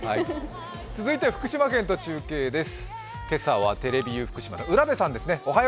続いては福島県と中継です。